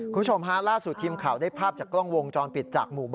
คุณชมฮาล่าสุดทีมข่าวได้ภาพจากกล้องวงจรปิด